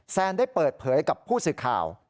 แซนได้เปิดเผยกับผู้สื่อข่าว